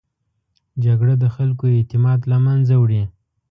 جګړه د خلکو اعتماد له منځه وړي